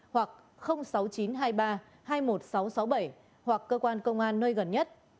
hoặc sáu mươi chín hai mươi ba hai mươi một nghìn sáu trăm sáu mươi bảy hoặc cơ quan công an nơi gần nhất